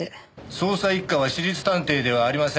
捜査一課は私立探偵ではありません。